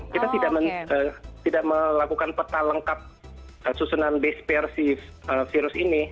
kita tidak melakukan peta lengkap susunan basepare si virus ini